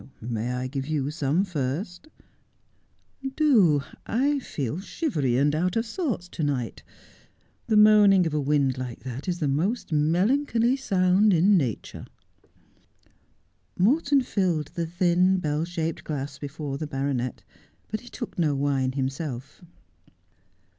' May I give you some first 1 '' Do. I feel shivery and out of sorts to night. The moaning of a wind like that is the most melancholy sound in nature.' Morton filled the thin, bell shaped glass before the baronet, but he took no wine himself.